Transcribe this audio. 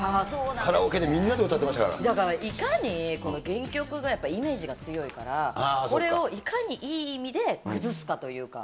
カラオケでみんなで歌ってまだから、いかに、この原曲がやっぱりイメージが強いから、これをいかにいい意味で崩すかというか。